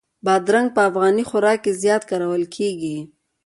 بادرنګ په افغاني خوراک کې زیات کارول کېږي.